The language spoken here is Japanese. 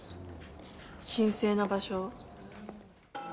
神聖な場所。